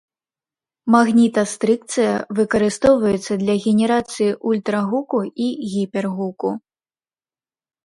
Магнітастрыкцыя выкарыстоўваецца для генерацыі ультрагуку і гіпергуку.